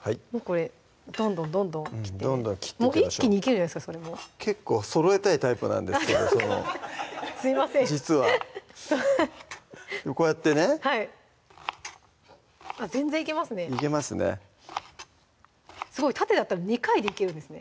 はいこれどんどんどんどん切ってもう一気にいけるんじゃないですかそれも結構そろえたいタイプなんですけどすいません実はこうやってねはい全然いけますねいけますねすごい縦だったら２回でいけるんですね